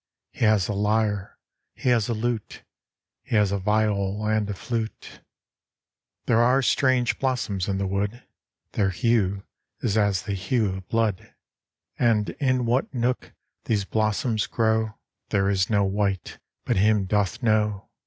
He has a lyre ; he has a lute ; He has a viol and a flute. There are strange blossoms in the wood ; Their hue is as the hue of blood ; And in what nook these blossoms grow 6 THE WOOD DEMON. 7 There is no wight but him doth know.